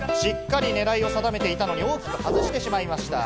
しっかり狙いを定めていたのに、大きく外してしまいました。